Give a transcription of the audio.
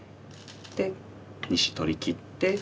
で２子取りきって。